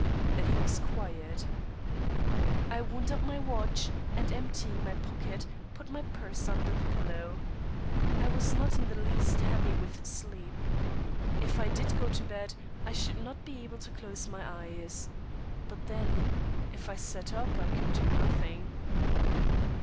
Then he was quiet. I wound up my watch, and emptying my pocket, put my purse under the pillow. I was not in the least heavy with sleep. If I did go to bed I should not be able to close my eyes. But then if I sat up I could do nothing.